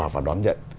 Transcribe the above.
và đón nhận